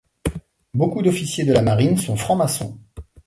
Beaucoup d'officiers de la Marine sont francs-maçons.